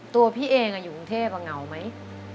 ตัวพี่เองอยู่กรุงเทพเหงาไหม